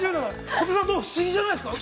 小手さん、不思議じゃないですか。